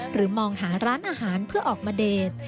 มองหาร้านอาหารเพื่อออกมาเดท